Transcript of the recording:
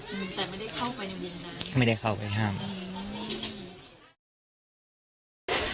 อืมแต่ไม่ได้เข้าไปในวงนั้นไม่ได้เข้าไปห้ามอืม